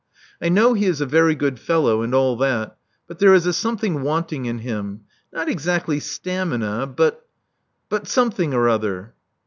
I know he is a very good fellow, and all that : but there is a something wanting in him — not exactly stamina, but — but something or other."